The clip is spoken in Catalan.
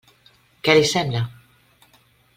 Què li sembla?